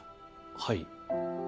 はい。